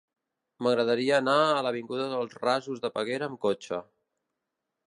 M'agradaria anar a l'avinguda dels Rasos de Peguera amb cotxe.